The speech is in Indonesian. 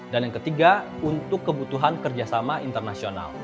dan yang ketiga untuk kebutuhan kerjasama internasional